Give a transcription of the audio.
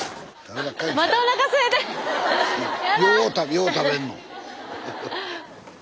よう食べんの？